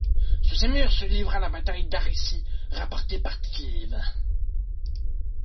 Sous ses murs se livra la bataille d'Aricie rapportée par Tite-Live.